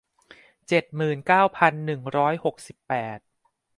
เจ็ดหมื่นเก้าพันหนึ่งร้อยหกสิบแปด